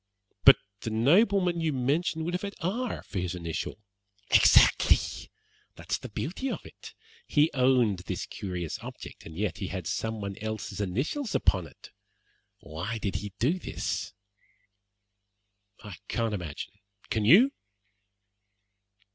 "But the nobleman you mentioned would have had R for his initial." "Exactly! That's the beauty of it. He owned this curious object, and yet he had someone else's initials upon it. Why did he do this?" "I can't imagine; can you?"